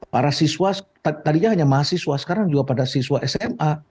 para siswa tadinya hanya mahasiswa sekarang juga pada siswa sma